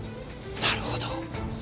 なるほど。